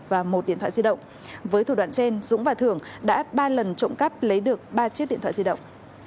với thủ đoạn trên dũng và thường đã ba lần trộm cắp lấy được ba chiếc điện thoại di động